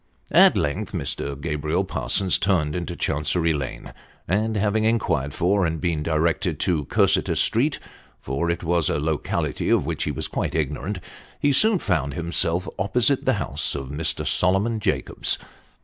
At length Mr. Gabriel Parsons turned into Chancery Lane, and having inquired for, and been directed to Cursitor Street (for it was a locality of which he was quite ignorant), he soon found himself opposite the house of Mr. Solomon Jacobs.